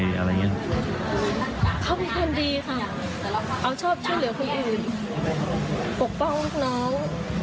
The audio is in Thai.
เขาเป็นคนดีค่ะเขาชอบช่วยเหลือคนอื่นปกป้องลูกน้อง